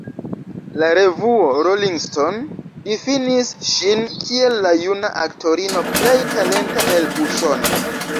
La revuo Rolling Stone difinis ŝin kiel “la juna aktorino plej talenta el Usono”.